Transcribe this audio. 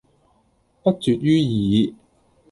不絕於耳